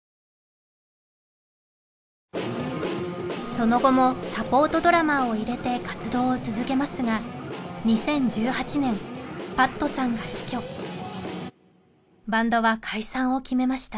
その後もサポートドラマーを入れて活動を続けますが２０１８年パットさんが死去バンドは解散を決めました